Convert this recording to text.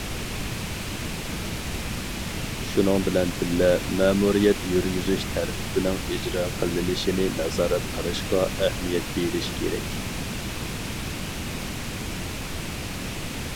شۇنىڭ بىلەن بىللە، مەمۇرىيەت يۈرگۈزۈش تەرتىپىنىڭ ئىجرا قىلىنىشىنى نازارەت قىلىشقا ئەھمىيەت بېرىش كېرەك.